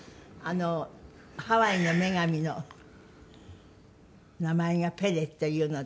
ハワイの女神の名前がペレというので。